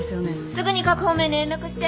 すぐに各方面に連絡して。